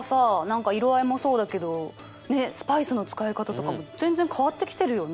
何か色合いもそうだけどねっスパイスの使い方とかも全然変わってきてるよね。